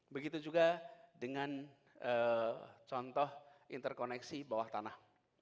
begitu juga dengan contoh interkoneksi bawah tanah